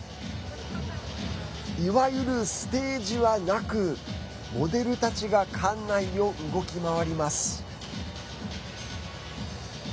いわゆるステージはなくモデルたちが館内を動き回ります。